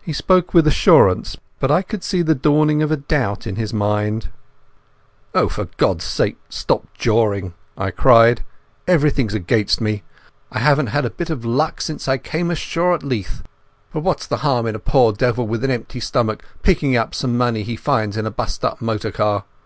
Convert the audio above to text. He spoke with assurance, but I could see the dawning of a doubt in his mind. "Oh, for God's sake stop jawing," I cried. "Everything's against me. I haven't had a bit of luck since I came on shore at Leith. What's the harm in a poor devil with an empty stomach picking up some money he finds in a bust up motor car?